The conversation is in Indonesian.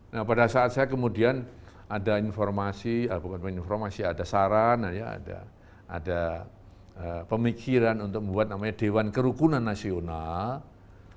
nah pada saat saya kemudian ada informasi bukan informasi ada saran ada pemikiran untuk membuat namanya dewan kerukunan nasional